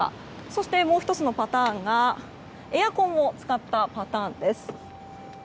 そして、もう１つがエアコンを使ったパターンです。